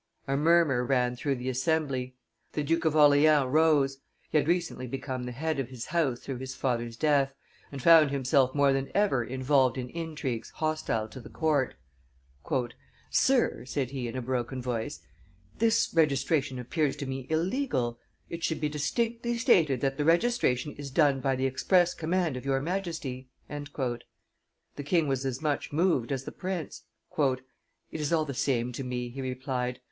A murmur ran through the assembly; the Duke of Orleans rose; he had recently become the head of his house through his father's death, and found himself more than ever involved in intrigues hostile to the court. "Sir," said he in a broken voice, "this registration appears to me illegal. ... It should be distinctly stated that the registration is done by the express command of your Majesty." The king was as much moved as the prince. "It is all the same to me," he replied.